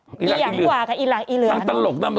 อีหลักอีเหลือน้องบอกเหี่ยงกว่ากับอีหลักอีเหลือน้องบอกอีหลักอีเหลือ